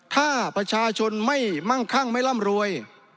ถ้าประชาชนไม่มั่งคั่งไม่ร่ำรวย